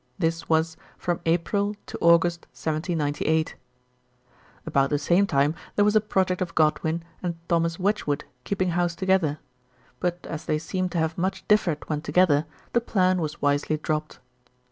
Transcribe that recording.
This was from April to August 1798. About the same time there was a project of Godwin and Thomas Wedgewood keeping house together ; but as they seem to have much differed when together, the plan was wisely dropped.